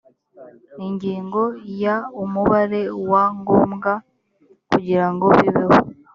ingingo ya umubare wa ngombwa kugira ngo bibeho